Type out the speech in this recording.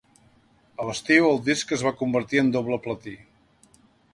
A l'estiu el disc es va convertir en doble platí.